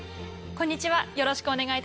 こんにちは。